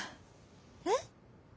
「えっ？」。